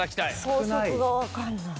法則が分かんない。